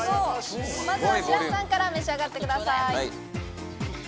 まずは白洲さんから召し上がってください。